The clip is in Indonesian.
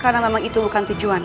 karena memang itu bukan tujuan